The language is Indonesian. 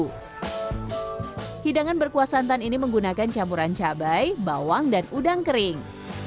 sayur besan berkuas santan ini menggunakan campuran cabai bawang dan udang kering